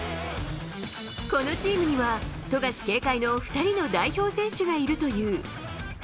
このチームには富樫警戒の２人の代表選手がいるという。